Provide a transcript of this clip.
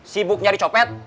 sibuk nyari copet